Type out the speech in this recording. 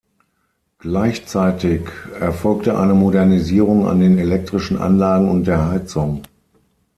Gleichzeitig erfolgte eine Modernisierung an den elektrischen Anlagen und der Heizung.